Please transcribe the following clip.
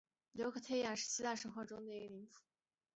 琉科忒亚是希腊神话中一个宁芙。